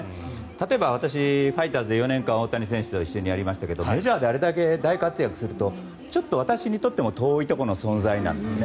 例えば私ファイターズで４年間大谷選手と一緒にやりましたがメジャーであれだけ大活躍するとちょっと私にとっても遠いところの存在なんですね。